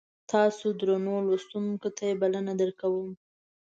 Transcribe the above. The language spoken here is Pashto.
تاسو درنو لوستونکو ته یې بلنه درکوم.